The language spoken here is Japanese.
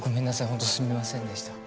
本当すみませんでした。